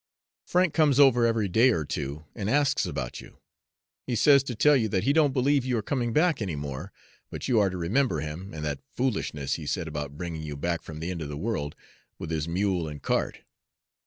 Frank comes over every day or two and asks about you. He says to tell you that he don't believe you are coming back any more, but you are to remember him, and that foolishness he said about bringing you back from the end of the world with his mule and cart.